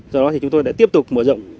sau đó chúng tôi đã tiếp tục mở rộng